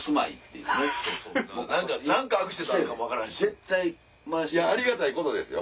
いやありがたいことですよ。